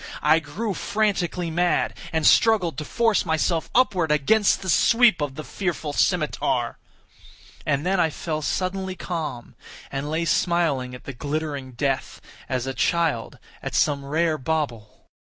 I grew frantically mad, and struggled to force myself upward against the sweep of the fearful scimitar. And then I fell suddenly calm, and lay smiling at the glittering death, as a child at some rare bauble.